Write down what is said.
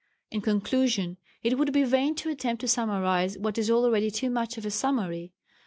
In conclusion, it would be vain to attempt to summarize what is already too much of a summary.